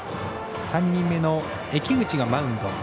３人目の浴口がマウンド。